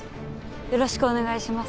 よろしくお願いします